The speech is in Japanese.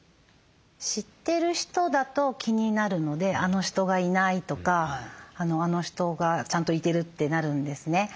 知ってる人だと気になるので「あの人がいない」とか「あの人がちゃんといてる」ってなるんですね。